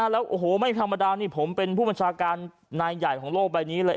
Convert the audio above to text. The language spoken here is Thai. แล้วโอ้โหไม่ธรรมดานี่ผมเป็นผู้บัญชาการนายใหญ่ของโลกใบนี้เลย